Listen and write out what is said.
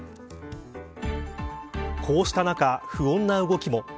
こうした中、不穏な動きも。